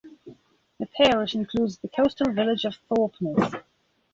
The parish includes the coastal village of Thorpeness.